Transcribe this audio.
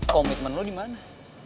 komitmen lu di mana